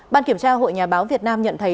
ban kiểm tra hội nhà báo việt nam nhận thấy